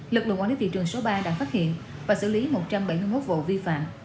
lực lượng quản lý thị trường số ba đã phát hiện và xử lý một trăm bảy mươi một vụ vi phạm